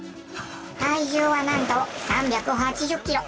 体重はなんと３８０キロ。